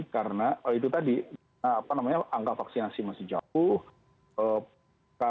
karena itu tadi angka vaksinasi masih jauh